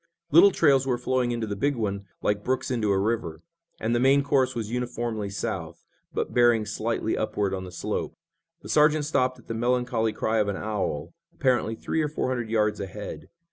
Little trails were flowing into the big one like brooks into a river, and the main course was uniformly south, but bearing slightly upward on the slope. The sergeant stopped at the melancholy cry of an owl, apparently three or four hundred yards ahead.